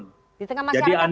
di tengah masyarakat itu gimana